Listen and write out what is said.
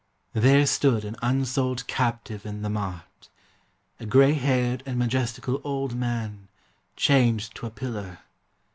There stood an unsold captive in the mart, A gray haired and majestical old man, Chained to a pillar.